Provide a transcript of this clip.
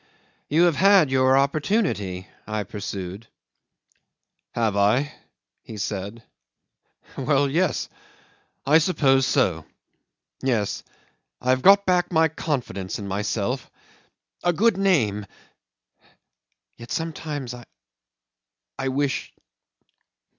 '"You have had your opportunity," I pursued. '"Have I?" he said. "Well, yes. I suppose so. Yes. I have got back my confidence in myself a good name yet sometimes I wish